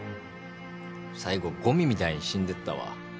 最後ゴミみたいに死んでったわ